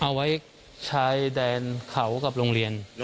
เอาไว้ชายแดนเขากับโรงเรียน